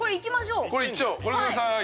これくださーい。